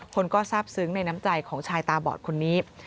คนก็ทราบซึ้งในน้ำใจของชายตาบอดคนนี้